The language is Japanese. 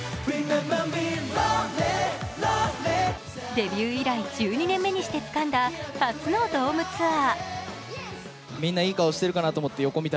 デビュー以来１２年目にしてつかんだ初のドームツアー。